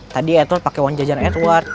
tadi edward pake wang jajan edward